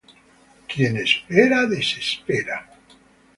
Quien espera, desespera.